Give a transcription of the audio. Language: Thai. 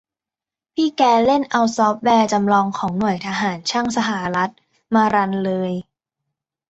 พี่แกเล่นเอาซอฟต์แวร์จำลองของหน่วยทหารช่างสหรัฐมารันเลย